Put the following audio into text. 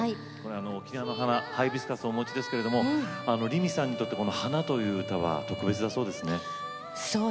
沖縄の花、ハイビスカスをお持ちですがりみさんにとって「花」というのは特別だそうですね。